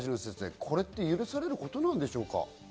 これって許されることなんですか？